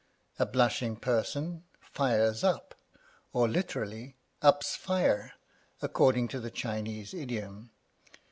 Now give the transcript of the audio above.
A blushing person fires up, or literally, ups fire, according to the Chinese idiom.